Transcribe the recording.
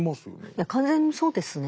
いや完全にそうですね。